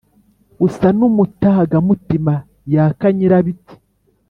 usa n’umutaga mutima yaka nyirabiti,